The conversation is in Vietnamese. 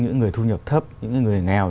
những người thu nhập thấp những người nghèo